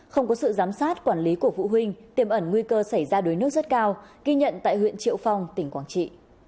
không có sự giám sát quản lý của phụ huynh tiềm ẩn nguy cơ xảy ra đuối nước rất cao ghi nhận tại huyện triệu phong tỉnh quảng trị